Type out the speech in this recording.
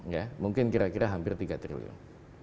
ya mungkin kira kira hampir tiga triliun